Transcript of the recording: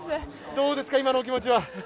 どうですか、今の気持ちは。